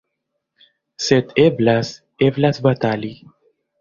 Sed eblas, eblas batali!